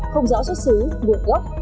không rõ xuất xứ nguồn gốc